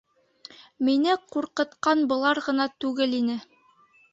Мине ҡурҡытҡаны былар ғына түгел ине.